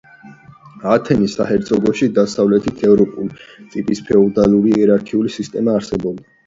ათენის საჰერცოგოში დასავლეთ ევროპული ტიპის ფეოდალური იერარქიული სისტემა არსებობდა.